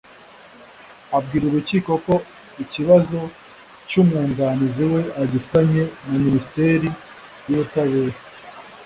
abwira urukiko ko ikibazo cy’umwunganizi we agifitanye na Minisiteri y’ubutabera